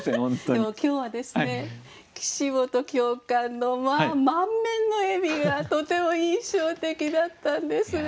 でも今日はですね岸本教官のまあ満面の笑みがとても印象的だったんですが。